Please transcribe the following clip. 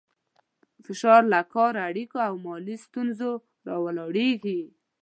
فشار له کار، اړیکو او مالي ستونزو راولاړېږي.